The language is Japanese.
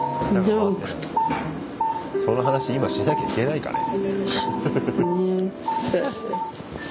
その話今しなきゃいけないかね？